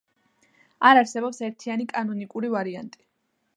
არ არსებობს ერთიანი კანონიკური ვარიანტი.